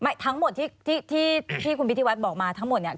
ทั้งหมดที่ที่คุณพิธีวัฒน์บอกมาทั้งหมดเนี่ย